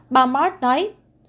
bà marks nói